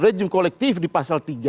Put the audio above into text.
rejim kolektif di pasal tiga